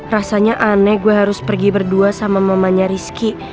rasanya aneh gue harus pergi berdua sama mamanya rizky